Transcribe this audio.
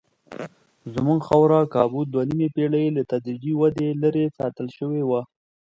زموږ خاوره کابو دوه نیمې پېړۍ له تدریجي ودې لرې ساتل شوې وه.